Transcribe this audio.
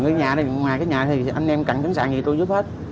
người nhà này ngoài cái nhà thì anh em cần chứng sản gì tôi giúp hết